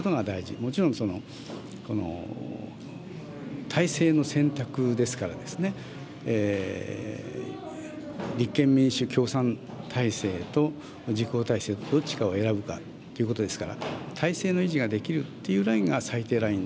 もちろん、体制の選択ですからですね、立憲、民主、共産体制と、自公体制、どっちかを選ぶかということですから、体制の維持ができるっていうラインが最低ライン。